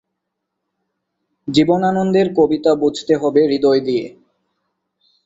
জীবনানন্দের কবিতা বুঝতে হবে হৃদয় দিয়ে।